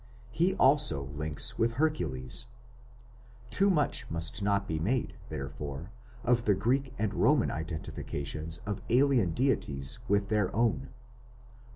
He also links with Hercules. Too much must not be made, therefore, of the Greek and Roman identifications of alien deities with their own.